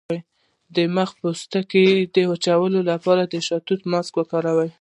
د مخ د پوستکي د وچوالي لپاره د شاتو ماسک وکاروئ